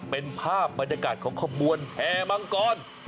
เป็นภาพบรรยากาศของขบวนแห่มังกร